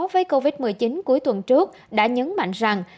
với covid một mươi chín cuối tuần trước đã nhấn mạnh rằng